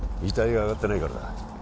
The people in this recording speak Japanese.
遺体があがってないからだ